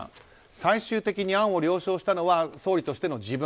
最終的に案を了承したのは総理としての自分。